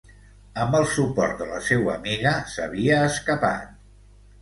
Amb el suport de la seua amiga s’havia escapat.